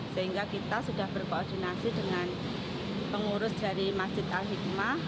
sehingga kita sudah berkoordinasi dengan pengurus dari masjid al hikmah